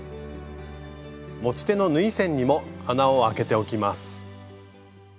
持ち手の縫い線にも穴をあけておきます。